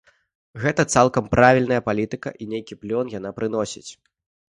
Гэта цалкам правільная палітыка, і нейкі плён яна прыносіць.